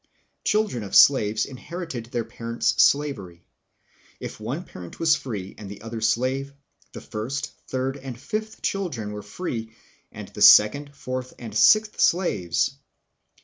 Chil dren of slaves inherited their parents' slavery. If one parent was free and the other slave, the first, third, and fifth children were free and the second, fourth, and sixth slaves.